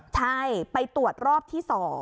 ใช่ไปตรวจรอบที่๒